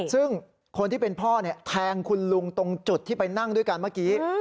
ซึ่งคนที่เป็นพ่อแทงคุณลุงตรงจุดที่ไปนั่งด้วยกันเมื่อกี้